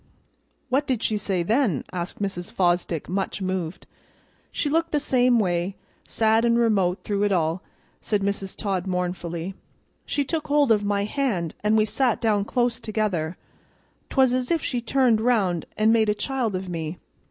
"What did she say then?" asked Mrs. Fosdick, much moved. "She looked the same way, sad an' remote through it all," said Mrs. Todd mournfully. "She took hold of my hand, and we sat down close together; 'twas as if she turned round an' made a child of me.